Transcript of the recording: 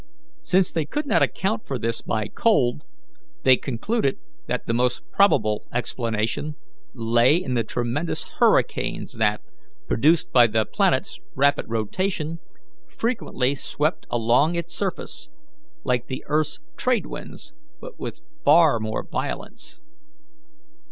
Since they could not account for this by cold, they concluded that the most probable explanation lay in the tremendous hurricanes that, produced by the planet's rapid rotation, frequently swept along its surface, like the earth's trade winds, but with far more violence.